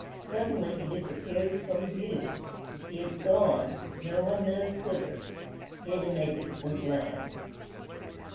Suddenly he disappears from view. He is gone, no one knows whither hid in a distant land.